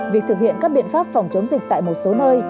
việc thực hiện các biện pháp phòng chống dịch tại một số nơi